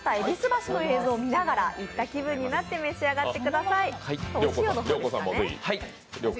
戎橋の映像を見ながら行った気分になって召し上がってください。